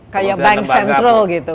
kayak bank sentral gitu